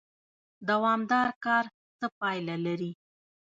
دوامدار کار څه پایله لري؟